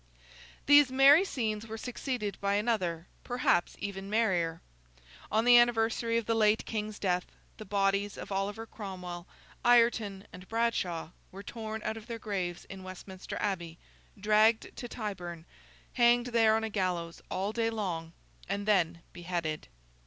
These merry scenes were succeeded by another, perhaps even merrier. On the anniversary of the late King's death, the bodies of Oliver Cromwell, Ireton, and Bradshaw, were torn out of their graves in Westminster Abbey, dragged to Tyburn, hanged there on a gallows all day long, and then beheaded.